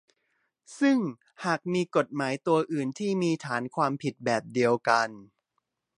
ซึ่งหากมีกฎหมายตัวอื่นที่มีฐานความผิดแบบเดียวกัน